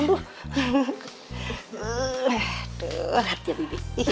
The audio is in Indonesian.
aduh hati ya bebis